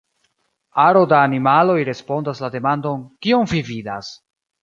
Aro da animaloj respondas la demandon "kion vi vidas?